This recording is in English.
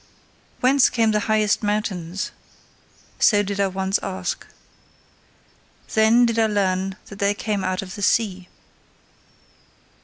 Whence come the highest mountains? so did I once ask. Then did I learn that they come out of the sea.